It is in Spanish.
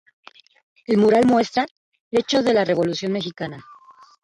El mural muestra hecho de la Revolución Mexicana.